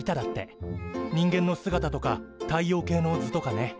人間の姿とか太陽系の図とかね。